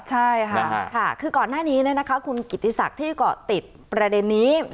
ใช่ค่ะคือก่อนหน้านี้คุณกิติศักดิ์ที่เกาะติดประเด็นนี้